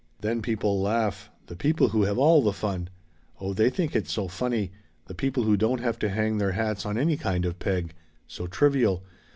"Then people laugh the people who have all the fun. Oh they think it's so funny! the people who don't have to hang their hats on any kind of peg. So trivial.